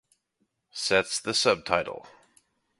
Sets the subtitle